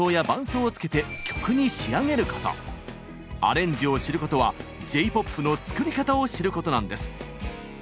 アレンジを知ることはＪ−ＰＯＰの作り方を知ることなんです。